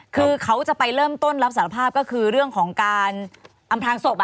คือเขาจะไปเริ่มต้นรับสารภาพก็คือเรื่องของการอำพลางศพ